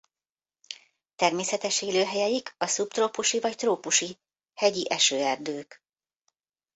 Természetes élőhelyeik a szubtrópusi vagy trópusi hegyi esőerdők.